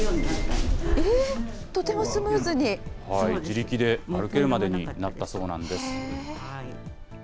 自力で歩けるまでになったそうなんです。